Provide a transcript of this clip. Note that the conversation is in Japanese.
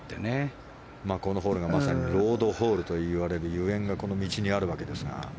このホールがまさにロードホールといわれるゆえんがこの道に割るわけですが。